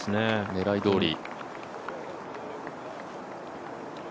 狙いどおり。